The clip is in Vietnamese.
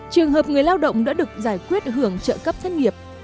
trường hợp người lao động đã được giải quyết hưởng trợ cấp thất nghiệp